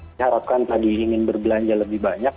saya harapkan tadi ingin berbelanja lebih banyak